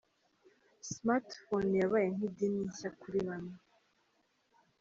Smartphone yabaye nk'idini nshya kuri bamwe.